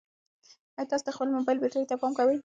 ایا تاسي د خپل موبایل بیټرۍ ته پام کوئ؟